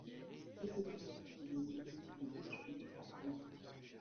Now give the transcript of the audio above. Beaucoup d'écrivains sont venus ou ont séjourné à Parmilieu.